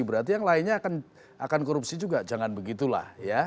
berarti yang lainnya akan korupsi juga jangan begitu lah